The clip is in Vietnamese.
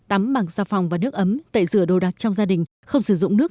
tắm bằng gia phòng và nước ấm tệ rửa đồ đặc trong gia đình không sử dụng nước